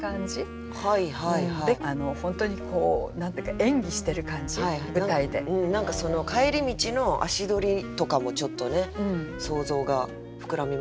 本当にこう何て言うか何かその帰り道の足取りとかもちょっとね想像が膨らみますよね